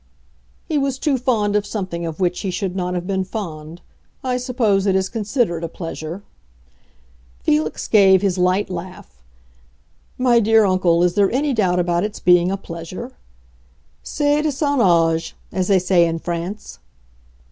"He was too fond of something of which he should not have been fond. I suppose it is considered a pleasure." Felix gave his light laugh. "My dear uncle, is there any doubt about its being a pleasure? C'est de son âge, as they say in France."